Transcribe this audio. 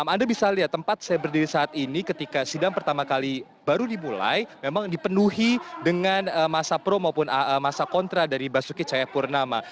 anda bisa lihat tempat saya berdiri saat ini ketika sidang pertama kali baru dimulai memang dipenuhi dengan masa pro maupun masa kontra dari basuki cahayapurnama